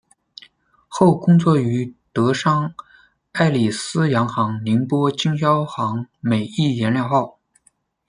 后工作于德商爱礼司洋行宁波经销行美益颜料号。